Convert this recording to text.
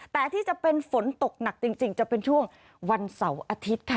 แต่ที่จะเป็นฝนตกหนักจริงจะเป็นช่วงวันเสาร์อาทิตย์ค่ะ